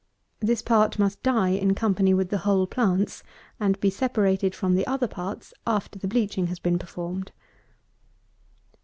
This part must die in company with the whole plants, and be separated from the other parts after the bleaching has been performed.